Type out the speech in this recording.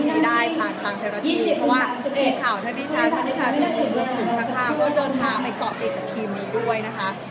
ก็เดินพาไปต่อเก็บกับทีมนี้ด้วยนะคะ